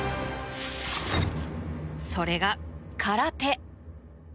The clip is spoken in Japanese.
それが、空手。